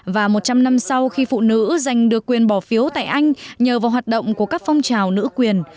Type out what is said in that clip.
và một trăm linh năm sau khi phụ nữ giành được quyền bỏ phiếu tại anh nhờ vào hoạt động của các phong trào nữ quyền